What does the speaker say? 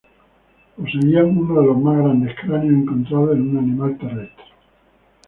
Poseían uno de los más grandes cráneos encontrados en un animal terrestre.